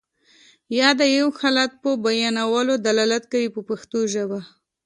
یا د یو حالت په بیانولو دلالت کوي په پښتو ژبه.